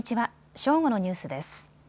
正午のニュースです。